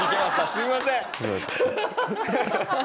すいません。